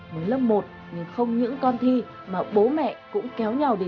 mới lớp một nhưng không những con thi mà bố mẹ cũng kéo nhau đi